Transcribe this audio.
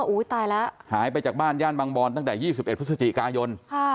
ตายแล้วหายไปจากบ้านย่านบางบอนตั้งแต่๒๑พฤศจิกายน